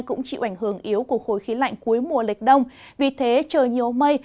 cũng chịu ảnh hưởng yếu của khối khí lạnh cuối mùa lệch đông vì thế trời nhiều mây